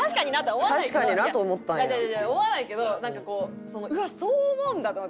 違う違う思わないけどなんかこう「うわっそう思うんだ」と思って。